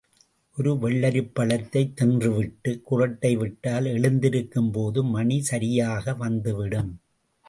ஒரு வெள்ளரிப் பழத்தைத் தின்றுவிட்டுக் குறட்டைவிட்டால் எழுந்திருக்கும் போது மணி சரியாக வந்துவிடும்